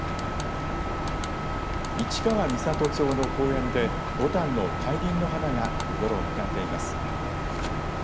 市川三郷町の公園でぼたんの大輪の花が見頃を迎えています。